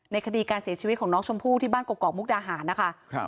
ในคดีการเสียชีวิตของน้องชมพู่ที่บ้านเกาะเกาะมุกดาหานะคะครับ